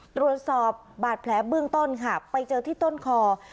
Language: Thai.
ตรวจสอบบาดแผลเบื้องต้นค่ะไปเจอที่ต้นคอ